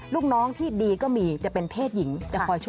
เรื่องของโชคลาบนะคะ